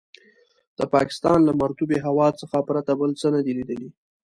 د پاکستان له مرطوبې هوا څخه پرته بل څه نه دي لیدلي.